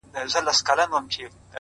د خالق په انتظار کي يې ويده کړم!